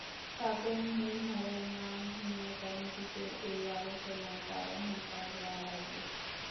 তাতে নীহারের নাম নিয়ে কমিটিতে এই আলোচনায় তার অহংকারে ঘা লাগল।